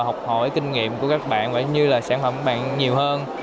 mỗi kinh nghiệm của các bạn gọi như là sản phẩm của các bạn nhiều hơn